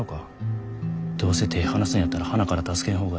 どうせ手ぇ離すんやったらはなから助けん方がええ。